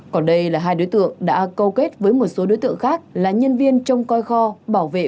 còn đây là hai đối tượng đã câu kết với một số đối tượng khác là nhân viên trong coi kho bảo vệ